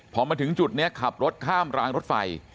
พอมาถึงจุดนี้ขับรถข้ามรางรถไฟ